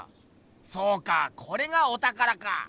そうかこれがお宝か！